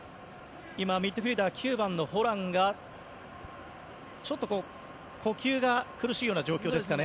ミッドフィールダー９番のホランが呼吸が苦しいような状況ですかね。